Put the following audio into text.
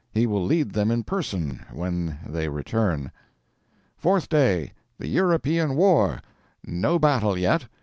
He will lead them in person, when they return. ..................... Fourth Day THE EUROPEAN WAR! NO BATTLE YET!!